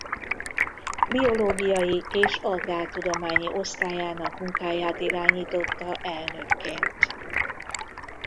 Biológiai és Agrártudományi Osztályának munkáját irányította elnökként.